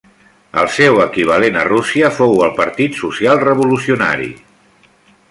El seu equivalent a Rússia fou el Partit Social-Revolucionari.